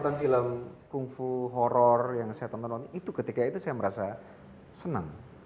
ya benar ketika saya menonton film kung fu horror yang saya tonton ketika itu saya merasa senang